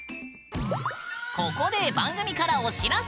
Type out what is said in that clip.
ここで番組からお知らせ！